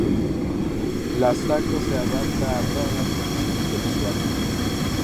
La Sacco se adapta a todas las posiciones del usuario.